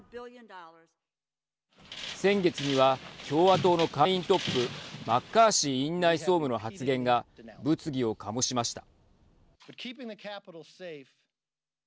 先月には共和党の下院トップマッカーシー院内総務の発言が物議を醸しました。